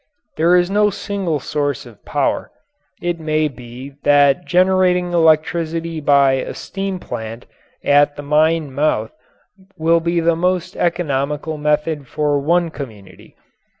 There is no single source of power. It may be that generating electricity by a steam plant at the mine mouth will be the most economical method for one community.